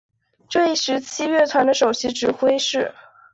这一时期乐团的首席指挥是。